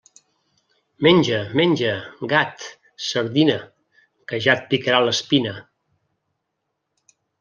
Menja, menja, gat, sardina, que ja et picarà l'espina.